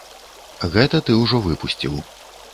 Гэта ты ўжо выпусціў.